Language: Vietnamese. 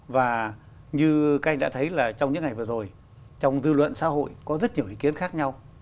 và như các anh đã thấy là trong những ngày vừa rồi trong dư luận xã hội có rất nhiều ý kiến khác nhau